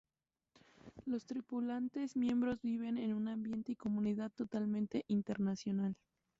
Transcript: Los tripulantes miembros viven en un ambiente y comunidad totalmente internacional.